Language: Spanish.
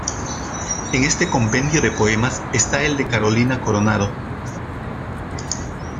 En este compendio de poemas está el de Carolina Coronado.